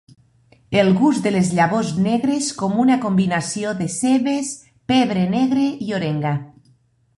El gust de les llavors negres com una combinació de cebes, pebre negre i orenga.